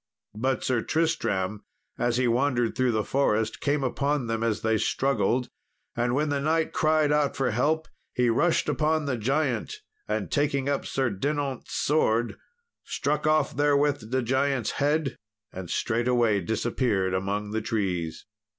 But Sir Tristram, as he wandered through the forest, came upon them as they struggled; and when the knight cried out for help, he rushed upon the giant, and taking up Sir Dinaunt's sword, struck off therewith the giant's head, and straightway disappeared among the trees.